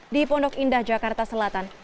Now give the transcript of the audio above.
di pondok indah jakarta selatan